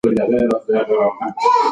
ادئب تخلیقي ادب رامنځته کوي.